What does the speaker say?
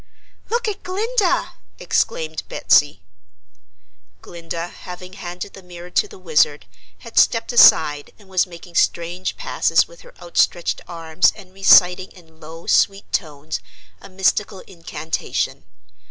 "Look at Glinda!" exclaimed Betsy Glinda, having handed the mirror to the Wizard, had stepped aside and was making strange passes with her outstretched arms and reciting in low, sweet tones a mystical incantation.